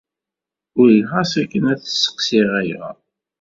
Uriɣ-as akken ad t-sseqsiɣ ayɣer.